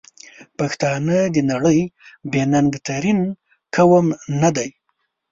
پښتانه د نړۍ بې ننګ ترین قوم ندی؟!